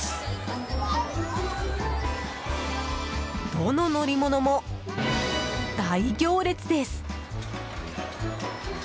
どの乗り物も大行列です。